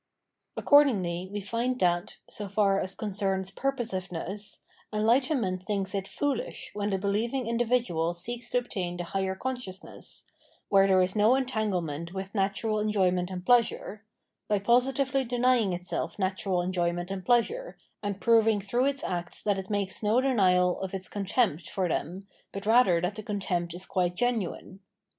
Accordingly we find that, so far as concerns pur posiveness, enlightenment thinks it foolish when the believing individual seeks to obtain the higher con sciousness,— where there is no entanglement with natural enjoyment and pleasure, — ^by positively denying itself natural enjoyment and pleasure, and proving through its acts that it makes no denial of its contempt for them, but rather that the contempt is quite genuine.